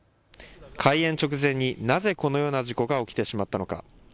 開園直前になぜこのような事故が起きてしまったのか。